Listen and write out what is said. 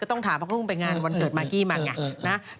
ก็ต้องถามเขาก็ต้องไปงานวันเกิดมากกี้มาอย่างนี้